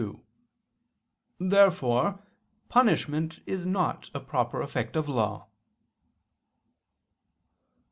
Therefore punishment is not a proper effect of law.